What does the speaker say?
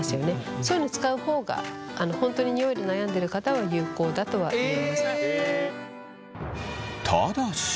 そういうのを使う方が本当にニオイで悩んでる方は有効だとは思います。